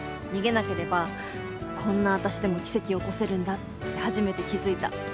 逃げなければこんな私でも奇跡起こせるんだって初めて気付いた。